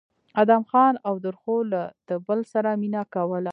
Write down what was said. ادم خان او درخو له د بل سره مينه کوله